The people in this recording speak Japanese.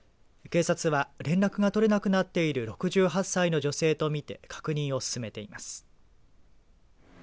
警察は連絡が取れなくなっている６８歳の女性と見て確認を進めています。